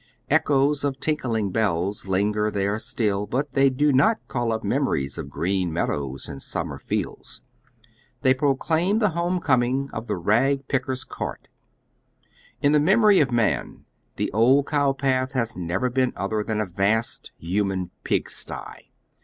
Echoes of tinkling bells linger there still, biit tliey do not call up memories of green meadows and KTimmer fields ; they pi'oelaiin the home coming of the rag picker's cart. In the memory of man the old cow path has never been other than a vast hnman pig sty.